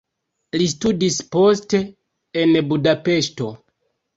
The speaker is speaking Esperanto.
Li studis poste en Budapeŝto.